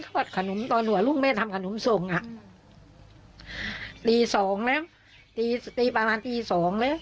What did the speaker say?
อดขนมตอนหัวลูกแม่ทำขนมส่งอ่ะตีสองแล้วตีตีประมาณตีสองแล้ว